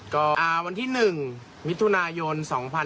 ก็วันที่๑มิถุนายน๒๕๖๒